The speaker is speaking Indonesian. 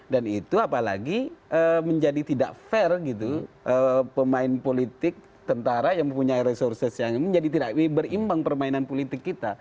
dan itu apalagi menjadi tidak fair gitu pemain politik tentara yang punya resources yang menjadi tidak berimbang permainan politik kita